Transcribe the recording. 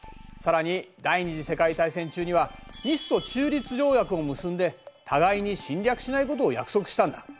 さらに第二次世界大戦中には日ソ中立条約を結んで互いに侵略しないことを約束したんだ。